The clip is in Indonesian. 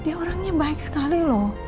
dia orangnya baik sekali loh